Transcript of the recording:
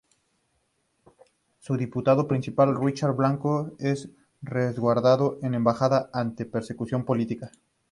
Su diputado principal Richard Blanco es resguardado en embajada ante persecución política.